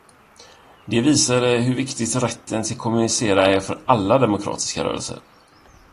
De visade hur viktig rätten att kommunicera är för alla demokratiska rörelser.